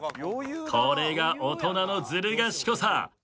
これが大人のずる賢さ。